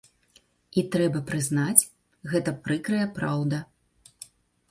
І трэба прызнаць, гэта прыкрая праўда.